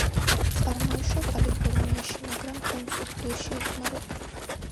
წარმოიშვა კალიფორნიაში, მაგრამ მთელ მსოფლიოში იხმარება.